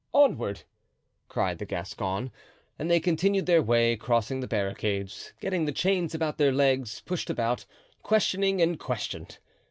onward!" cried the Gascon. And they continued their way, crossing the barricades, getting the chains about their legs, pushed about, questioning and questioned.